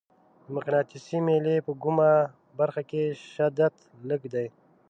د مقناطیسي میلې په کومه برخه کې شدت لږ دی؟